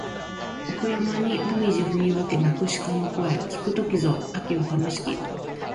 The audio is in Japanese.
奥山にもみぢ踏み分け鳴く鹿の声聞く時ぞ秋は悲しき